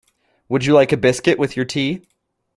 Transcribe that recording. Would you like a biscuit with your tea?